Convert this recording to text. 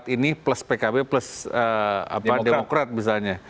ini plus pkb plus demokrat misalnya